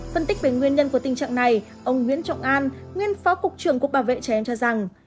phân tích về nguyên nhân của tình trạng này ông nguyễn trọng an nguyên phó cục trưởng cục bảo vệ trẻ em cho rằng